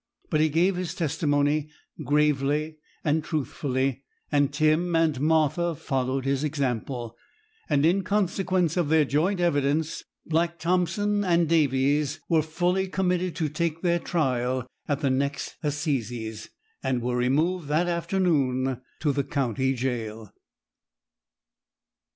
But he gave his testimony gravely and truthfully, and Tim and Martha followed his example; and, in consequence of their joint evidence, Black Thompson and Davies were fully committed to take their trial at the next assizes, and were removed that afternoon to the county jail.